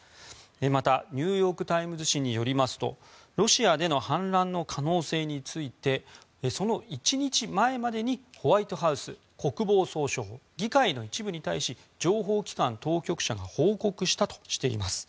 またニューヨーク・タイムズ紙によりますとロシアでの反乱の可能性についてその１日前までにホワイトハウス、国防総省議会の一部に対し情報機関当局者が報告したとしています。